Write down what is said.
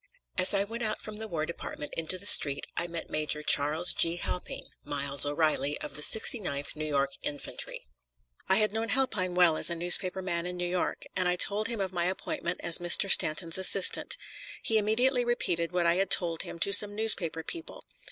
As I went out from the War Department into the street I met Major Charles G. Halpine "Miles O'Reilly" of the Sixty ninth New York Infantry. I had known Halpine well as a newspaper man in New York, and I told him of my appointment as Mr. Stanton's assistant. He immediately repeated what I had told him to some newspaper people.